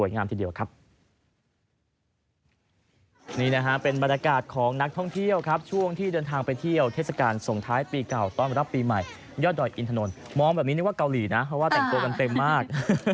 นี่นะฮะเป็นบรรยากาศของนักท่องเที่ยวครับช่วงที่เดินทางไปเที่ยวเทศกาลส่งท้ายปีเก่าต้อนรับปีใหม่ยอดดอยอินถนนมองแบบนี้นึกว่าเกาหลีนะเพราะว่าแต่งตัวกันเต็มมาก